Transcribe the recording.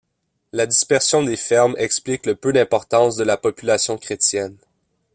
La dispersion des fermes explique le peu d'importance de la population chrétienne.